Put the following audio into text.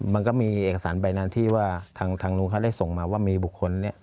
มันก็มีเอกสารใบนั้นที่ว่าทางนู้นเขาได้ส่งมาว่ามีบุคคลเนี่ย